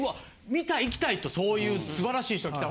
見たい行きたいとそういう素晴らしい人来た。